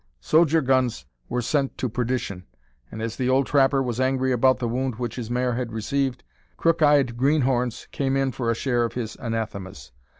"Sodger guns" were sent to perdition; and as the old trapper was angry about the wound which his mare had received, "crook eyed greenhorns" came in for a share of his anathemas.